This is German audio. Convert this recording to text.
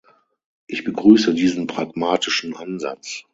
Ich begrüße diesen pragmatischen Ansatz.